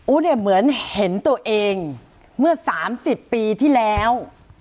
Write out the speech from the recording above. เนี่ยเหมือนเห็นตัวเองเมื่อ๓๐ปีที่แล้ว